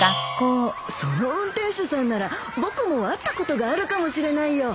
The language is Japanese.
その運転手さんなら僕も会ったことがあるかもしれないよ。